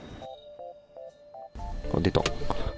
出た。